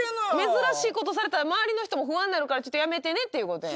珍しいことされたら周りの人も不安なるからちょっとやめてねっていうことや。